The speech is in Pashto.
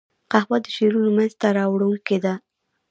قهوه د شعرونو منځ ته راوړونکې ده